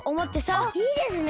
あっいいですね！